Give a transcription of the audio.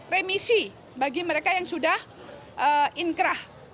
remisi bagi mereka yang sudah inkrah